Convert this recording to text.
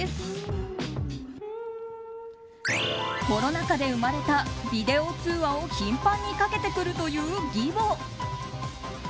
コロナ禍で生まれたビデオ通話を頻繁にかけてくるという義母。